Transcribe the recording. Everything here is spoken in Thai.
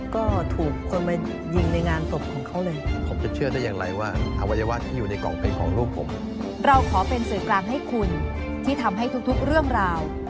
คุณผมเป็นรักษาแม่ละ